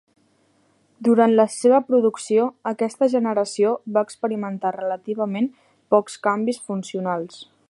Durant la seva producció, aquesta generació va experimentar relativament pocs canvis funcionals.